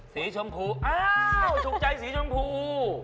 สีชมพูอ้าวถูกใจสีชมพู